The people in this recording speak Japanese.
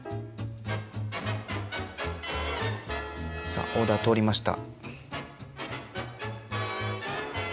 さあオーダー通りました。